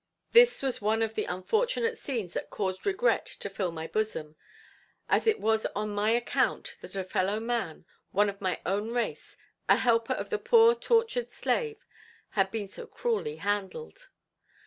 This was one of the unfortunate scenes that caused regret to fill my bosom, as it was on my account that a fellow man, one of my own race, a helper to the poor tortured slave had been so cruelly handled.